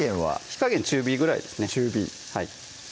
火加減中火ぐらいですね